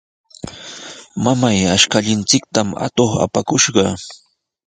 ¡Mamay, ashkallanchiktami atuq apakushqa!